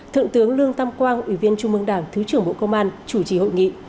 thượng tướng lương tam quang ủy viên trung mương đảng thứ trưởng bộ công an chủ trì hội nghị